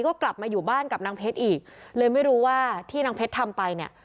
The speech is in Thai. ก็กลับมาอยู่บ้านกับนางเพชรอีกเลยไม่รู้ว่าที่นางเพชรทำไปเนี่ย